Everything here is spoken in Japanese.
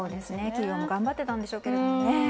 企業も頑張ってたんでしょうけどね。